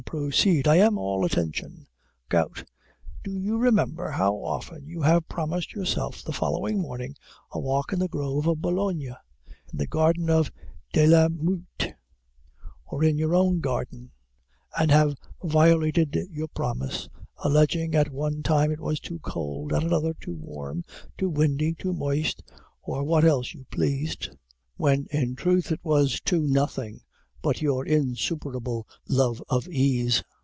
Proceed. I am all attention. GOUT. Do you remember how often you have promised yourself, the following morning, a walk in the grove of Boulogne, in the garden de la Muette, or in your own garden, and have violated your promise, alleging, at one time, it was too cold, at another too warm, too windy, too moist, or what else you pleased; when in truth it was too nothing, but your insuperable love of ease?